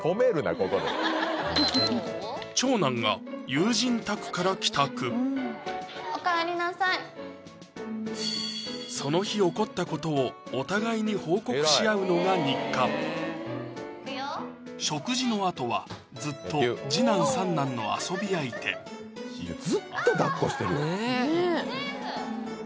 ここでその日起こったことをお互いに報告し合うのが日課食事のあとはずっと次男・三男の遊び相手ずっとだっこしてるよねぇ